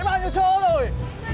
bao nhiêu chỗ rồi